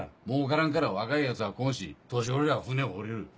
儲からんから若いヤツは来んし年寄りは船を降りる。